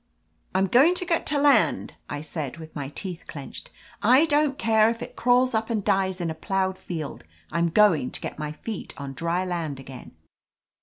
"I'm going to get to land," I said with my teeth clenched. "I don't care if it crawls up and dies in a plowed field ; I'm going to ^et my feet on dry land again."